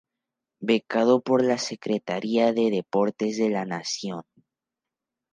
Becado por la Secretaría de Deportes de la Nación.